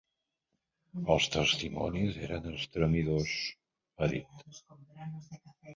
Els testimonis eren estremidors, ha dit.